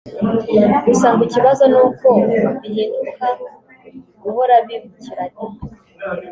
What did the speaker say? gusa ngo ikibazo ni uko bihinduka guhora bibukiranya